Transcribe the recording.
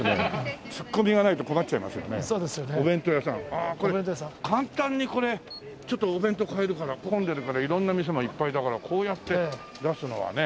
ああ簡単にこれちょっとお弁当買えるから混んでるから色んな店がいっぱいだからこうやって出すのはね。